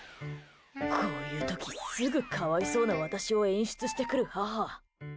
こういう時すぐ可哀想な私を演出してくる母。